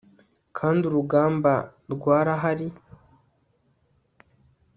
kandi urugamba rwarahari